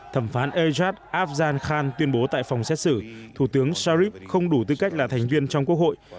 thẩm phán ejad abj khan tuyên bố tại phòng xét xử thủ tướng sharif không đủ tư cách là thành viên trong quốc hội